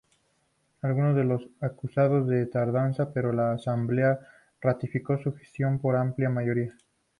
Algunos le acusaron de tardanza, pero la Asamblea ratificó su gestión por amplia mayoría.